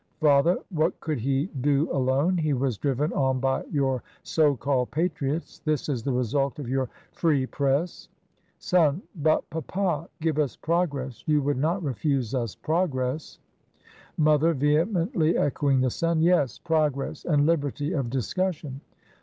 Father. "What could he do alone? he was driven on by your so called patriots. This is the result of your free press." Son. "But, papa, give us progress, you would not refuse us progress." Mother (vehemently echoing the son), "Yes, pro gress and liberty of discussion.